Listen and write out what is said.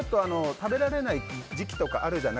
食べられない時期とかあるじゃない。